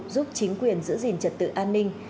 giúp chính quyền giữ gìn trật tự an ninh